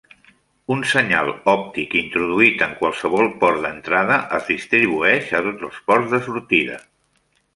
Un senyal òptic introduït en qualsevol port d'entrada es distribueix a tots els ports de sortida.